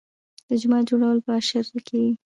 د جومات جوړول په اشر کیږي.